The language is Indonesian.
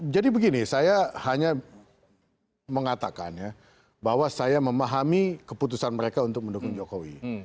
jadi begini saya hanya mengatakan ya bahwa saya memahami keputusan mereka untuk mendukung jokowi